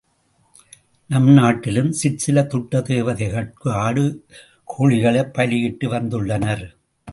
நம் நாட்டிலும் சிற்சில துட்ட தேவதைகட்கு ஆடு கோழிகளைப் பலியிட்டு வந்துள்ளனர்.